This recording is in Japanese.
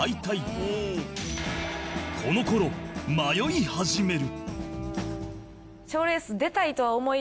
この頃迷い始める